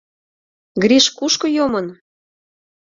Гриш кушко йомын?